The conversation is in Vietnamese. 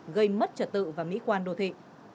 gây mất trật tự và mỹ quan đô thị